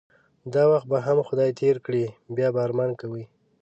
دا وخت به هم خدای تیر کړی بیا به ارمان کوی